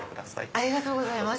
ありがとうございます。